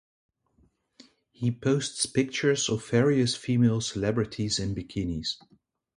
He posts pictures of various female celebrities in bikinis.